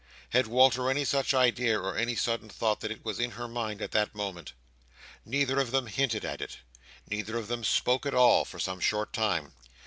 Had Walter any such idea, or any sudden thought that it was in her mind at that moment? Neither of them hinted at it. Neither of them spoke at all, for some short time.